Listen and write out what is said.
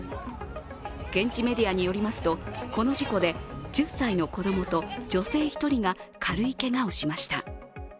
現地メディアによりますとこの事故で１０歳の子供と女性１人が軽いけがをしました。